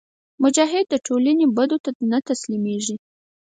مجاهد د ټولنې بدو ته نه تسلیمیږي.